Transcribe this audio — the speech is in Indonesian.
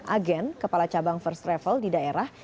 agen kepala cabang first travel di daerah